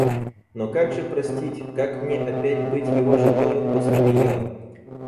Но как же простить, как мне опять быть его женою после нее?